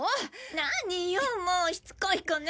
何よもうしつこい子ね！